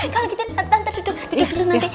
kalau gitu tante duduk duduk dulu nanti